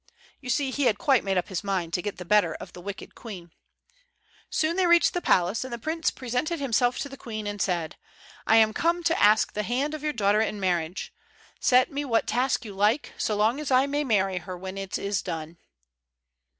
You see, he had quite made up his mind to get the better of the wicked queen. Soon they reached the palace, and the prince presented himself to the queen, and said: "I am come to ask the hand of your daughter in marriage. Set me what task you like, so long as I may marry her when it is done."